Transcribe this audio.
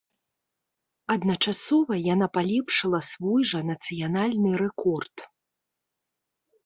Адначасова яна палепшыла свой жа нацыянальны рэкорд.